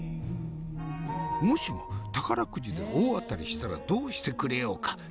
もしも宝くじで大当たりしたらどうしてくれようか？